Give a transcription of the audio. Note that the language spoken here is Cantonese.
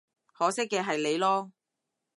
可惜嘅係你囉